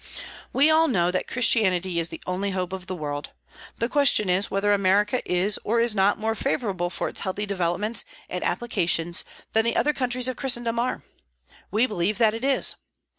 We all know that Christianity is the only hope of the world. The question is, whether America is or is not more favorable for its healthy developments and applications than the other countries of Christendom are. We believe that it is.